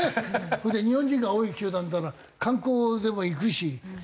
それで日本人が多い球団なら観光でも行くしロス辺りに。